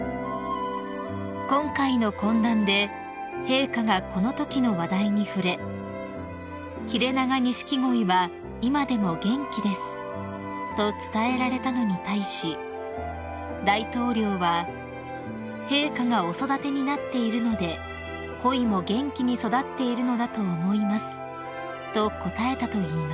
［今回の懇談で陛下がこのときの話題に触れ「ヒレナガニシキゴイは今でも元気です」と伝えられたのに対し大統領は「陛下がお育てになっているのでコイも元気に育っているのだと思います」と答えたといいます］